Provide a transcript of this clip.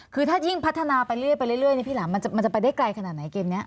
คือถ้ายิ่งพัฒนาไปเรื่อยไปเรื่อยเรื่อยเนี้ยพี่หลังมันจะมันจะไปได้ไกลขนาดไหนเกมเนี้ย